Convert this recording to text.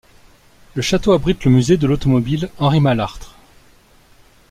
Le château abrite le musée de l'automobile Henri-Malartre.